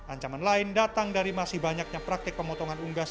ancaman lain datang dari masih banyaknya praktek pemotongan unggas